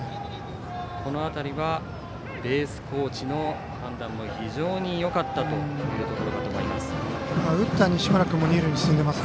この辺りはベースコーチの判断も非常によかったというところだと思います。